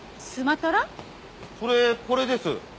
それこれです。